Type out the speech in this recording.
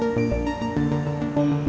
semarang semarang semarang